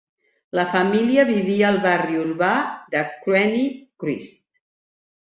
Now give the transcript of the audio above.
La família vivia al barri urbà de Crveni Krst.